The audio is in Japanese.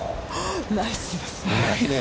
ナイスですね。